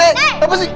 eh apa sih